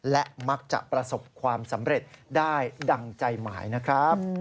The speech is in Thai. และมักจะประสบความสำเร็จได้ดังใจหมายนะครับ